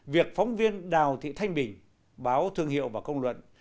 việc phóng viên đào thị thanh bình báo thương hiệu và công luận